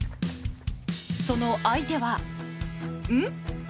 その相手はん？